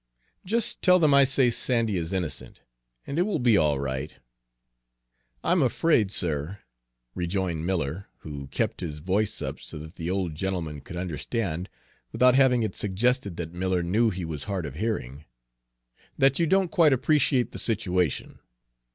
Just tell them I say Sandy is innocent, and it will be all right." "I'm afraid, sir," rejoined Miller, who kept his voice up so that the old gentleman could understand without having it suggested that Miller knew he was hard of hearing, "that you don't quite appreciate the situation.